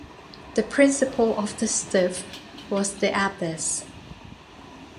The principal of the "stift" was the abbess.